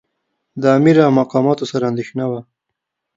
د امیر او مقاماتو سره اندېښنه وه.